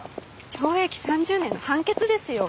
懲役３０年の判決ですよ。